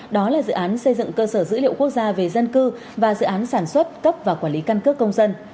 đó là dự án xây dựng cơ sở dữ liệu quốc gia về dân cư và dự án sản xuất cấp và quản lý căn cước công dân